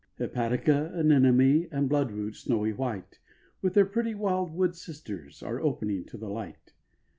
Hepatica, anemone, And bloodroot snowy white, With their pretty wildwood sisters, Are opening to the light.